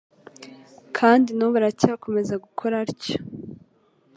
Kandi n'ubu aracyakomeza gukora atyo.